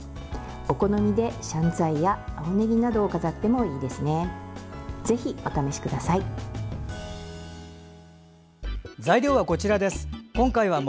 お好みでシャンツァイや青ねぎなどを飾ってもいいですね。